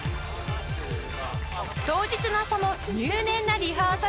当日の朝も入念なリハーサル